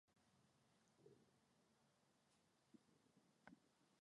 Hala balitz, posible litzateke zigorra ezartzea.